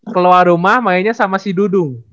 keluar rumah mainnya sama si dudung